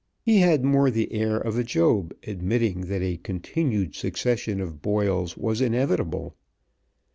He had more the air of a Job admitting that a continued succession of boils was inevitable.